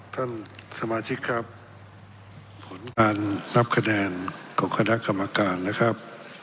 ท่านสมาชิกครับผลการนับคะแนนของคณะกรรมการนะครับ